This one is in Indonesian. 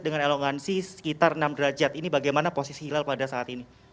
dengan elongansi sekitar enam derajat ini bagaimana posisi hilal pada saat ini